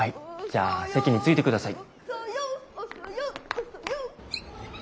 じゃあ席に着いてください。